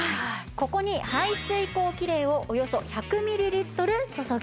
ここに排水口キレイをおよそ１００ミリリットル注ぎ入れます。